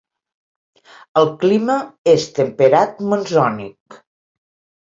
El clima és temperat monsònic.